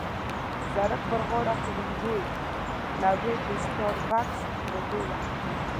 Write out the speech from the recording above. د سړک پر غاړه پر یوې لوحې د سټاربکس لوګو وه.